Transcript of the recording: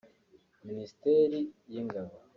Minisiteri y’Ingabo